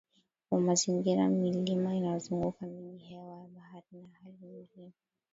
wa mazingira Milima inayozunguka miji hewa ya bahari na hali nyingine